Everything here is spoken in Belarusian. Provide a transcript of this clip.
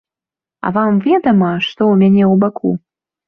А вам ведама, што ў мяне ў баку?